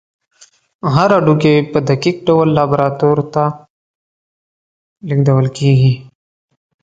هر هډوکی په دقیق ډول لابراتوار ته لیږدول کېږي.